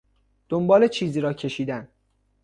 دنباله چیزی را کشیدن